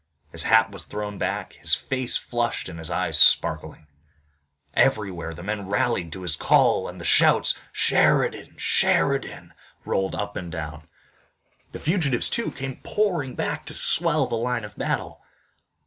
His hat was thrown back, his face flushed, and his eyes sparkling. Everywhere the men rallied to his call and the shouts: "Sheridan! Sheridan!" rolled up and down. The fugitives too came pouring back to swell the line of battle.